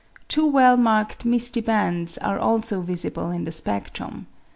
Two well marked misty bands are also visible in the spedrum.